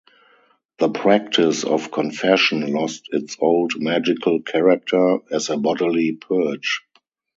The practice of confession lost its old magical character as a bodily purge.